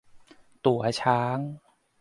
ตั๋วช้าง